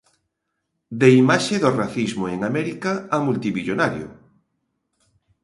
De imaxe do racismo en América a multimillonario.